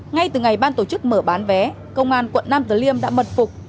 ngay từ ngày ban tổ chức mở bán vé công an quận nam tử liêm đã mật phục